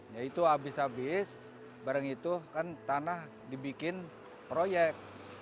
ya itu habis habis bareng itu kan tanah dibikin proyek